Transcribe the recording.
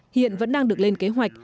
hiện vẫn đang được lên kế hoạch